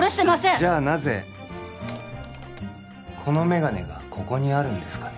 じゃあなぜこのメガネがここにあるんですかね？